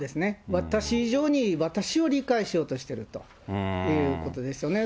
私以上に、私を理解しようとしているということですよね。